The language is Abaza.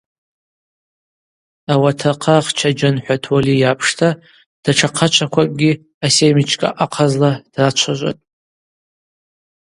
Ауатрахъахча Джьанхӏват Уали йапшта датша хъачваквакӏгьи асемчкӏа ахъазла драчважватӏ.